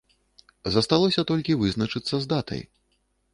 Засталося толькі вызначыцца з датай.